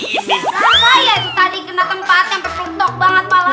kenapa ya tadi itu kena tempat yang pekotok banget malah saya